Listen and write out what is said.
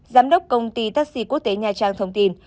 giám đốc công ty taxi quốc tế nha trang thông tin